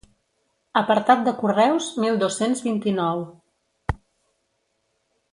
Apartat de Correus mil dos-cents vint-i-nou.